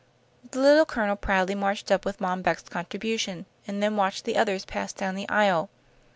The Little Colonel proudly marched up with Mom Beck's contribution, and then watched the others pass down the aisle.